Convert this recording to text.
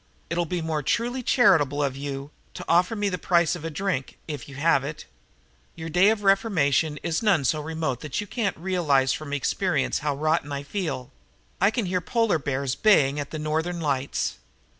It'll be more truly charitable of you to offer me the price of a drink if you have it. Your day of reformation is none so remote you can't realize from experience how rotten I feel. I can hear polar bears baying at the Northern Lights."